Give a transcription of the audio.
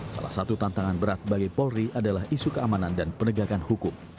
salah satu tantangan berat bagi polri adalah isu keamanan dan penegakan hukum